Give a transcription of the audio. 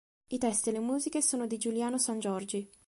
I testi e le musiche sono di Giuliano Sangiorgi.